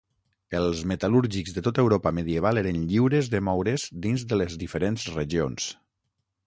Els metal·lúrgics de tota Europa medieval eren lliures de moure's dins de les diferents regions.